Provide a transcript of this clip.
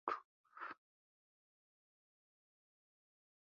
The Kelso Train Station was originally built by the Northern Pacific Railroad.